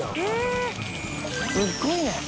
すごいね。